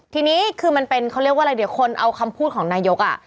ทีนี้คือมันเป็นเขาเรียกว่าอะไรเดี๋ยวคนเอาคำพูดของนายก